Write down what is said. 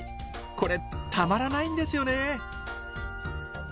これたまらないんですよね。